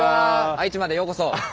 愛知までようこそ。